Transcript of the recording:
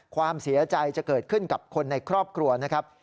ความเสียใจจะเกิดขึ้นกับคนในครอบครัวนะครับ